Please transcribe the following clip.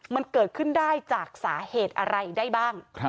มันเกิดขึ้นได้จากสาเหตุอะไรได้บ้าง